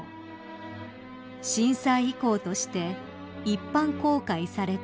［震災遺構として一般公開されています］